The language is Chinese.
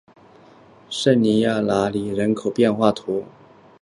圣尼科拉莱西托人口变化图示